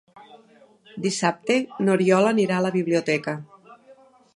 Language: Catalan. Dissabte n'Oriol anirà a la biblioteca.